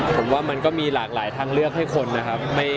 ผมว่ามันก็มีหลากหลายทางเลือกให้คนนะครับ